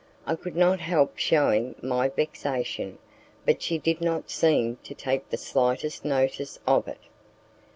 I could not help shewing my vexation, but she did not seem to take the slightest notice of it.